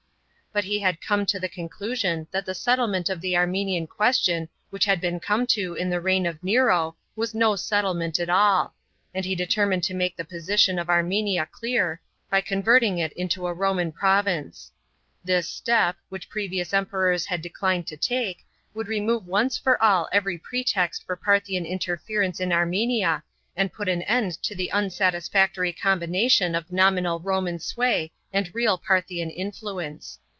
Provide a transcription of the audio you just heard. But he had come to the conclusion that the settlement of the Armenian question which had been come to in the reign of Nero was no settlement at all ; and he determined to make the position Relief from Trajan's Column. of Armenia clear, by converting it into a Roman province This step, which previous Emperors had declined to take, would remove once for all every pretext for Parthian interference in Armenia and put an end to the unsatisfactory combination of nominal Roman sway and real Parthian influence.